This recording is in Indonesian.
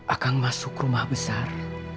akang masuk rumah besar